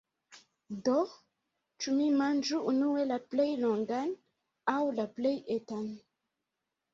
Do, ĉu mi manĝu unue la plej longan, aŭ la plej etan?